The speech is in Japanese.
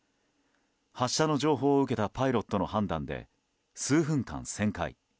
発射の情報を受けたパイロットの判断で数分間、旋回。